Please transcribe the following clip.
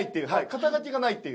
肩書がないっていう。